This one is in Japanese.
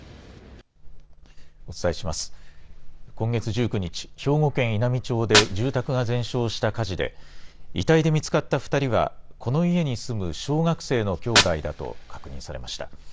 今月１９日、兵庫県稲美町で住宅が全焼した火事で、遺体で見つかった２人は、この家に住む小学生の兄弟だと確認されました。